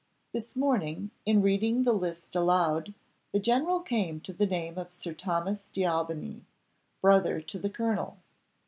This morning, in reading the list aloud, the general came to the name of Sir Thomas D'Aubigny, brother to the colonel.